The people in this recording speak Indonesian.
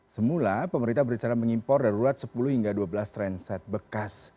semula pemerintah bercara mengimpor darurat sepuluh hingga dua belas tren set bekas